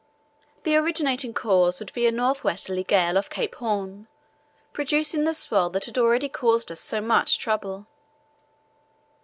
The originating cause would be a north westerly gale off Cape Horn, producing the swell that had already caused us so much trouble.